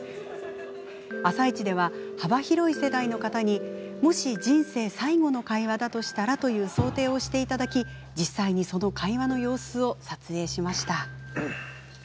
「あさイチ」では幅広い世代の方にもし人生最後の会話だとしたらという想定をしていただき実際にその会話の様子を撮影しました。